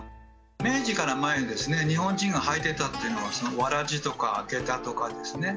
明治から前にですね日本人が履いてたっていうのは草鞋とか下駄とかですね